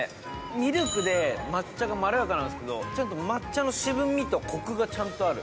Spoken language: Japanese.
ミルクで抹茶がまろやかなんすけど抹茶の渋味とコクがちゃんとある。